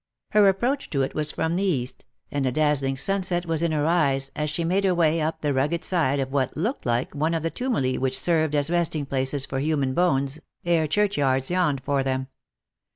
Her approach to it was from the east, and a dazzling sunset was in her eyes, as she made her way up the rugged side of what looked like one of the tumuli which served as resting places for human bones, "ere churchyards yawned for them.